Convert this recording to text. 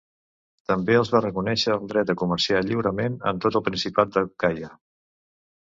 També els va reconèixer el dret a comerciar lliurement en tot el Principat d'Acaia.